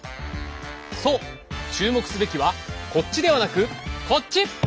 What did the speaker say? そう注目すべきはこっちではなくこっち！